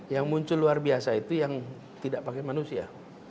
yang muncul luar biasa itu yang tidak pakai manusia